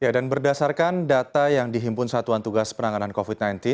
ya dan berdasarkan data yang dihimpun satuan tugas penanganan covid sembilan belas